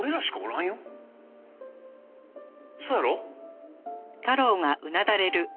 そやろ？